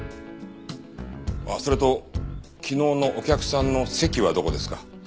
ああそれと昨日のお客さんの席はどこですか？